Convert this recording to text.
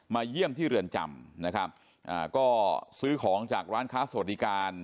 เยี่ยมที่เรือนจำนะครับอ่าก็ซื้อของจากร้านค้าสวัสดิการ